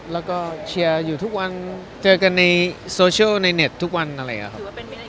แล้วก็เชียร์อยู่ทุกวันเจอกันในโซเชียลในเน็ตทุกวันอะไรอย่างนี้ครับ